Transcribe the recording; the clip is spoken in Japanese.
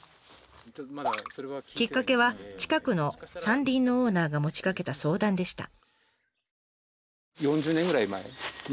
きっかけは近くの山林のオーナーが持ちかけた相談でした。